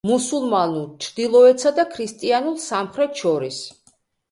მუსულმანურ ჩრდილოეთსა და ქრისტიანულ სამხრეთს შორის.